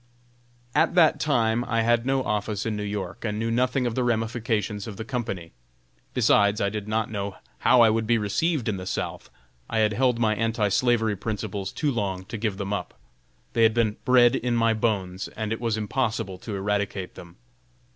At that time I had no office in New York, and knew nothing of the ramifications of the company. Besides, I did not know how I would be received in the South. I had held my anti slavery principles too long to give them up. They had been bred in my bones, and it was impossible to eradicate them.